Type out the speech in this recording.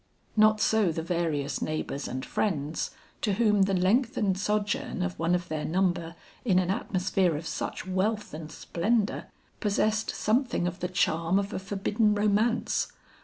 Not so the various neighbors and friends to whom the lengthened sojourn of one of their number in an atmosphere of such wealth and splendor, possessed something of the charm of a forbidden romance.